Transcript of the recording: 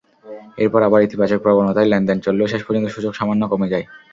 এরপর আবার ইতিবাচক প্রবণতায় লেনদেন চললেও শেষ পর্যন্ত সূচক সামান্য কমে যায়।